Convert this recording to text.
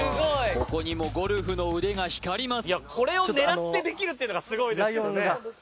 ここにもゴルフの腕が光ります